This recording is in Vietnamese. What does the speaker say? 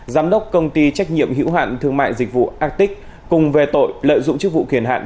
giám đốc công ty trách nhiệm hữu hạn thương mại dịch vụ actic cùng về tội lợi dụng chức vụ kiền hạn